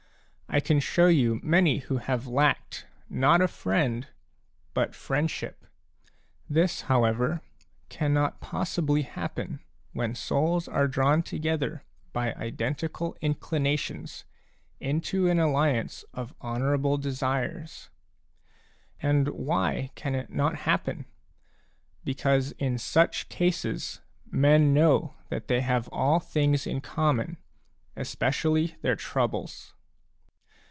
I can show you many who have lacked, not a friend, but a friendship ; this, however, cannot possibly happen when souls are drawn together by identical inclinations into an alliance of honourable desires. And why can it not happen ? Because in such cases men know that they have all things in common, especially their troubles.